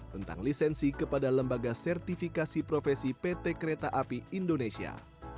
tentang lisensi kepada lembaga sertifikasi profesi pt kereta api indonesia